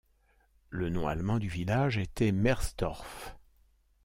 Le nom allemand du village était Merzdorf.